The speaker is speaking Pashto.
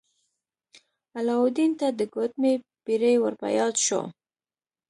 علاوالدین ته د ګوتمۍ پیری ور په یاد شو.